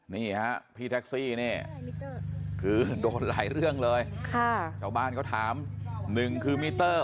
นี่ฮะพี่แท็กซี่นี่คือโดนหลายเรื่องเลยค่ะชาวบ้านเขาถามหนึ่งคือมิเตอร์